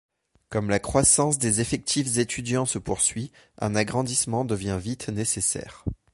Comme la croissance des effectifs étudiants se poursuit, un agrandissement devient vite nécessaire.